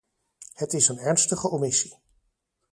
Het is een ernstige omissie.